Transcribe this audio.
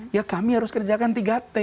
ya kami harus kerjakan tiga t